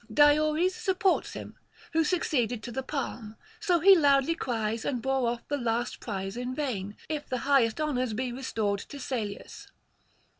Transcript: Diores supports him, who succeeded to the palm, so he loudly cries, and bore off the last prize in vain, if the highest honours be restored to Salius.